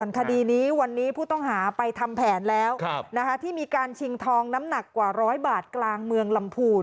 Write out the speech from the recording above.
คดีนี้วันนี้ผู้ต้องหาไปทำแผนแล้วที่มีการชิงทองน้ำหนักกว่าร้อยบาทกลางเมืองลำพูน